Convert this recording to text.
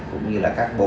cũng như là các bộ